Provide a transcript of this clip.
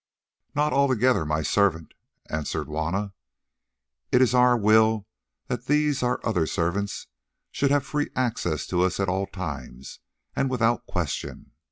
"Not altogether, my servant," answered Juanna. "It is our will that these, our other servants, should have free access to us at all times and without question.